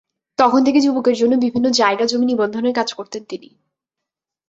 তখন থেকে যুবকের জন্য বিভিন্ন জায়গা জমি নিবন্ধনের কাজ করতেন তিনি।